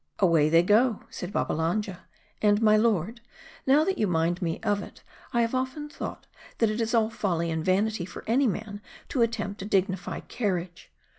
" Away they go," said Babbalanja ;" and, my lord, now that you mind me of it, I have often thought, that it is all folly and vanity for any man to attempt a dignified car riage.